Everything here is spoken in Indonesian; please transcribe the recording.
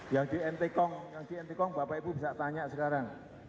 yang di ntkong yang di ntkong bapak ibu bisa tanya sekarang